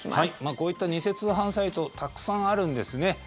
こういった偽通販サイトたくさんあるんですね。